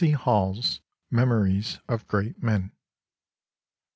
C Hall's Memories of Great Men.